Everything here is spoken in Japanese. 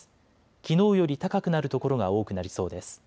きのうより高くなる所が多くなりそうです。